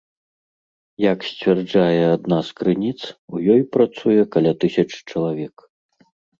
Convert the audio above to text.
Як сцвярджае адна з крыніц, у ёй працуе каля тысячы чалавек.